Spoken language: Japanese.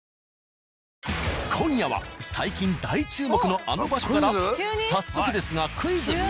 今夜は最近大注目のあの場所から早速ですがクイズ。